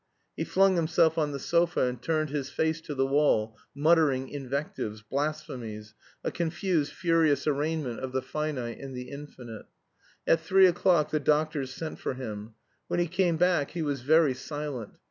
He flung himself on the sofa and turned his face to the wall, muttering invectives, blasphemies a confused furious arraignment of the finite and the Infinite. At three o'clock the doctors sent for him. When he came back he was very silent.